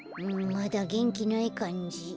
まだげんきないかんじ。